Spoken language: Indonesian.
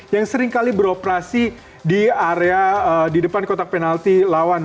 yang seringkali beroperasi di area di depan kotak penalti lawan